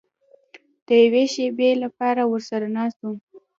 د یوې شېبې لپاره ورسره ناست وم.